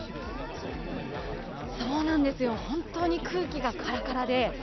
そうなんですよ、本当に空気がカラカラで。